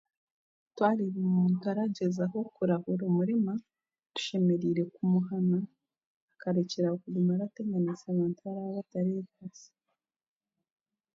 Twareeba omuntu aragyezaho kurahura omurema, tushemereire kumuhana, akarekyeraaho kuguma arateganiisa abantu aba batereebaasa.